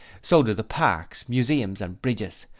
So do the parks, museums and bridges.